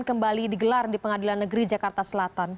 kembali digelar di pengadilan negeri jakarta selatan